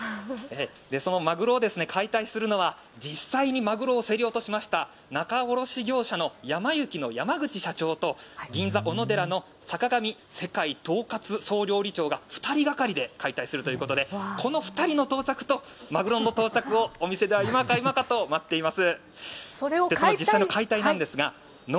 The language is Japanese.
そのマグロを解体するのは実際にマグロを競り落としました仲卸業者のやま幸の社長と銀座おのでらの坂上世界統括総料理長が２人がかりで解体するということでこの２人の到着とマグロの到着をお店では今か今かと待っています。